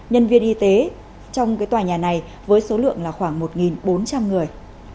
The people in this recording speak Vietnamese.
nhân viên y tế trong tòa nhà này với số lượng là khoảng một bốn trăm linh người